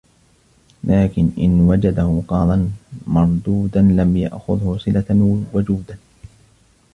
لَكِنْ إنْ وَجَدَهُ قَرْضًا مَرْدُودًا لَمْ يَأْخُذْهُ صِلَةً وَجُودًا